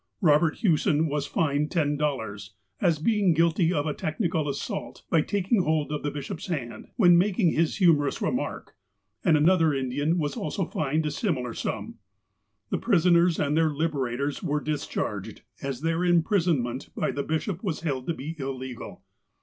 Eobert Hewson was fined ten dollars, as being guilty of a technical assault, by taking hold of the bishop' s hand, when making his hu morous remark, and another Indian was also fined a similar sum. The prisoners and their liberators were discharged, as their imprisonment by the bishop was held to be illegal.